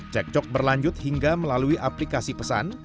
cekcok berlanjut hingga melalui aplikasi pesan